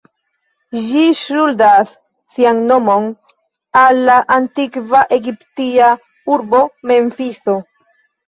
Ĝi ŝuldas sian nomon al la antikva egipta urbo Memfiso.